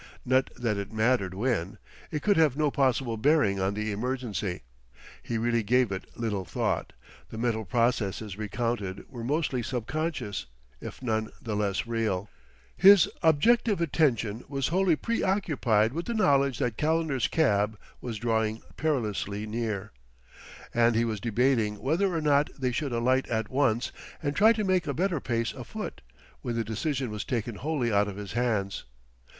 Not that it mattered when. It could have no possible bearing on the emergency. He really gave it little thought; the mental processes recounted were mostly subconscious, if none the less real. His objective attention was wholly preoccupied with the knowledge that Calendar's cab was drawing perilously near. And he was debating whether or not they should alight at once and try to make a better pace afoot, when the decision was taken wholly out of his hands.